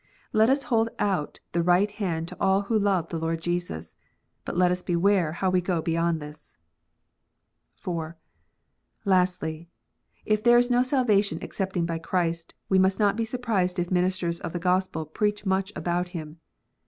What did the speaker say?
Let us hold out the right hand to all who love the Lord Jesus, but let us beware how we go beyond this. (4) Lastly, if there is no salvation excepting by Christ, we must not be surprised if ministers of the Gospel preach much about Him.